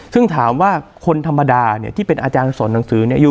ซึ่งถามว่าคนธรรมดาเนี่ยที่เป็นอาจารย์สอนหนังสือเนี่ย